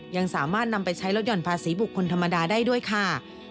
ยังสามารถนำไปใช้ลดห่อนภาษีบุคคลธรรมดาได้ด้วยค่ะ